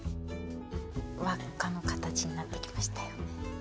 輪っかの形になってきましたよ。